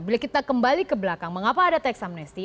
bila kita kembali ke belakang mengapa ada tax amnesty